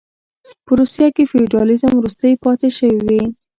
په روسیه کې فیوډالېزم وروستۍ پاتې شوې وې.